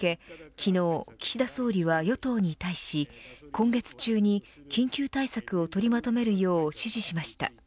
昨日、岸田総理は与党に対し今月中に緊急対策を取りまとめるよう指示しました。